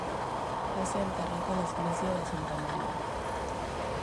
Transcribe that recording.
Va ser enterrat a l'església de Santa Maria.